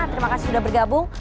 terima kasih sudah bergabung